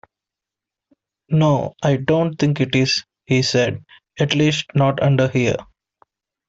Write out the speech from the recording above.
‘No, I don’t think it is,’ he said: ‘at least—not under here’.